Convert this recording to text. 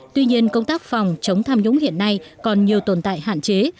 tuy nhiên công tác phòng chống tham nhũng hiện nay còn nhiều tồn tại hạn chế